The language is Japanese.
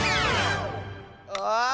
ああ！